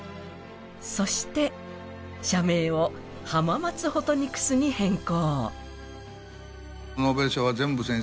そして、社名を浜松ホトニクスに変更。